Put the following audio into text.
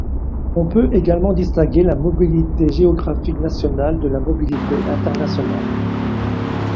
On peut également distinguer la mobilité géographique nationale de la mobilité internationale.